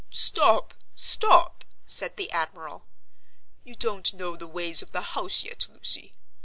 "Stop, stop!" said the admiral; "you don't know the ways of the house yet, Lucy.